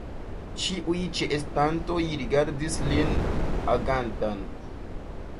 Ĉiuj ĉeestantoj rigardis lin agantan.